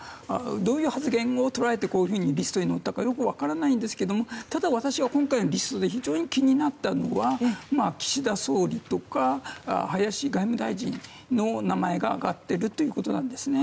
どういう発言を捉えてこういうふうなリストに載ったのかよく分からないんですけどもただ、私が今回のリストで非常に気になったのは岸田総理とか、林外務大臣の名前が挙がっているということなんですね。